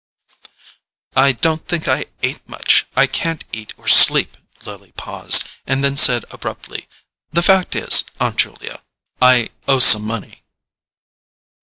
"I don't think I ate much; I can't eat or sleep." Lily paused, and then said abruptly: "The fact is, Aunt Julia, I owe some money."